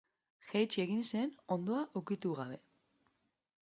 Jaitsi egin zen hondoa ukitu gabe.